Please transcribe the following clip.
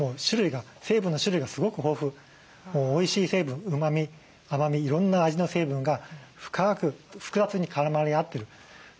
成分の種類がすごく豊富おいしい成分うまみ甘みいろんな味の成分が深く複雑に絡まり合ってる。